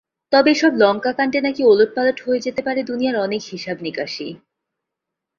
তবে, এসব লঙ্কাকাণ্ডে নাকি ওলটপালট হয়ে যেতে পারে দুনিয়ার অনেক হিসাব-নিকাশই।